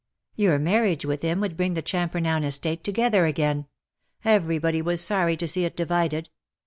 Yonr marriage with him would bring the Champernowne estate together again. Every body was sorry to see it divided.